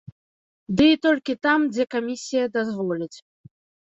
Ды і то толькі там, дзе камісія дазволіць.